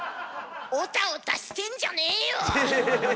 おたおたしてんじゃねーよ。